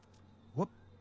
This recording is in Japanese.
おっと。